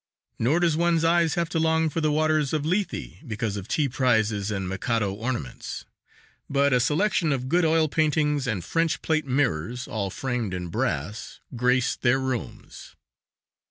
Nor does one's eyes have to long for the waters of Lethe because of tea prizes and Mikado ornaments. But a selection of good oil paintings and French plate mirrors, all framed in brass, grace their rooms.